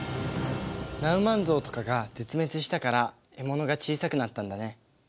ナウマンゾウとかが絶滅したから獲物が小さくなったんだね。